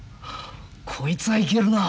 こいつはいけるな。